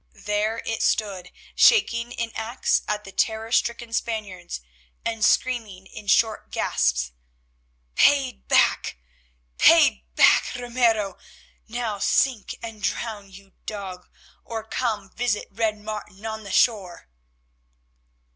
There it stood, shaking an axe at the terror stricken Spaniards, and screaming in short gasps, "Paid back! paid back, Ramiro! Now sink and drown, you dog, or come, visit Red Martin on the shore."